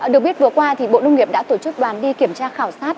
được biết vừa qua bộ nông nghiệp đã tổ chức đoàn đi kiểm tra khảo sát